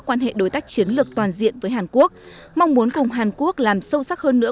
quan hệ đối tác chiến lược toàn diện với hàn quốc mong muốn cùng hàn quốc làm sâu sắc hơn nữa